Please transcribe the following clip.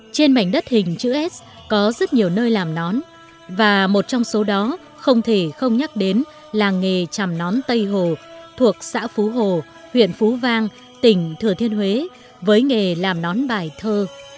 trên mảnh đất hình chữ s có rất nhiều nơi làm nón và một trong số đó không thể không nhắc đến làng nghề chầm nón tây hồ thuộc xã phú hồ huyện phú vang tỉnh thừa thiên huế với nghề làm nón bài thơ